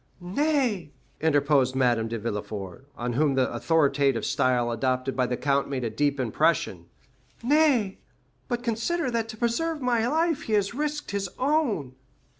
"Nay," interposed Madame de Villefort, on whom the authoritative style adopted by the count made a deep impression, "nay, but consider that to preserve my life he has risked his own."